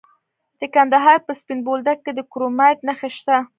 د کندهار په سپین بولدک کې د کرومایټ نښې شته.